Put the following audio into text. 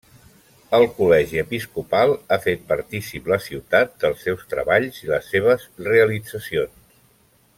El Col·legi Episcopal ha fet partícip la ciutat dels seus treballs i les seves realitzacions.